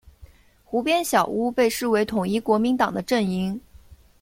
湖边小屋被视为统一国民党的阵营。